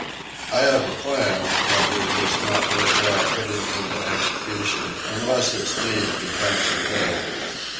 I have a plan, but it is not worth while putting into execution unless its need becomes imperative.